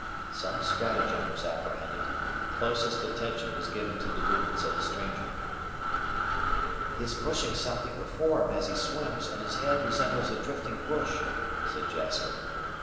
Some stratagem was apprehended, and the closest attention was given to the movements of the stranger. "He is pushing something before him as he swims, and his head resembles a drifting bush," said Jasper.